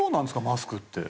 マスクって。